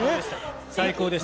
最高でした。